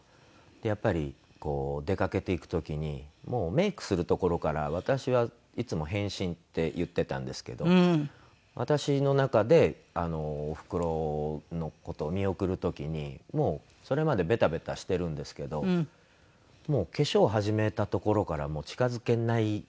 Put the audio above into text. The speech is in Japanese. やっぱりこう出かけていく時にもうメイクするところから私はいつも変身って言ってたんですけど私の中でおふくろの事を見送る時にもうそれまでベタベタしてるんですけどもう化粧を始めたところから近付けない感じになるんですね。